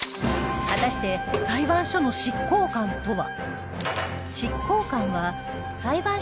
果たして裁判所の執行官とは？